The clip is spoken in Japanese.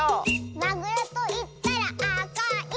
「まぐろといったらあかい！」